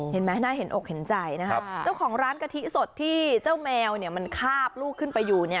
เห็นไหมน่าเห็นอกเห็นใจนะครับเจ้าของร้านกะทิสดที่เจ้าแมวมันคาบลูกขึ้นไปอยู่